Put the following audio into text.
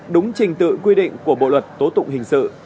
đúng trình tự quy định của bộ luật tố tụng hình sự